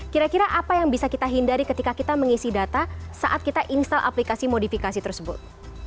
kira kira apa yang bisa kita hindari ketika kita mengisi data saat kita install aplikasi modifikasi tersebut